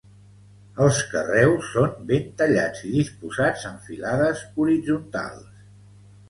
Els carreus són ben tallats i disposats en filades horitzontals.